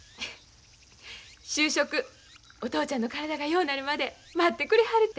就職お父ちゃんの体がようなるまで待ってくれはるて。